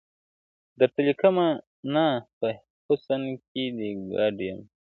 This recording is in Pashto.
• درته ليكمه نا په حسن كـــــــي دي گـــــــډ يـــــم.